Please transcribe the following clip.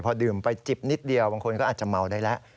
พอดื่มไปจิบนิดเดียวบางคนก็อาจจะเมาได้แล้ว